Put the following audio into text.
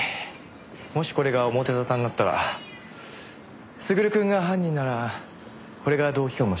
もしこれが表沙汰になったら優くんが犯人ならこれが動機かもしれませんね。